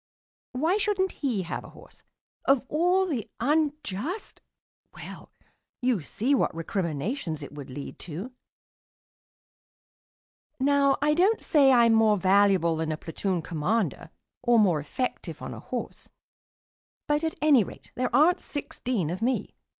Why shouldn't he have a horse? Of all the unjust Well, you see what recriminations it would lead to. Now I don't say I'm more valuable than a platoon commander or more effective on a horse, but, at any rate, there aren't sixteen of me.